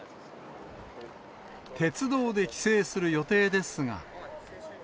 鉄道で帰省する予定ですが。